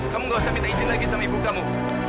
kamu gak usah minta izin lagi sama ibu kamu